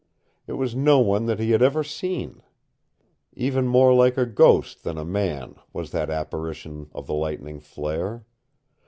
It was no one that he had ever seen. Even more like a ghost than a man was that apparition of the lightning flare.